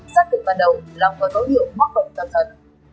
giác cực ban đầu lòng có dấu hiệu móc bẩn cẩn thận